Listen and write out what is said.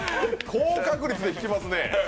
高確率で引きますねぇ。